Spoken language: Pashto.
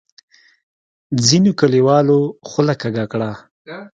ځینو کلیوالو خوله کږه کړه.